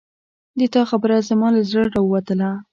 د تا خبره زما له زړه راووتله